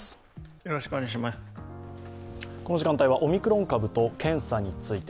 この時間はオミクロン株と検査について。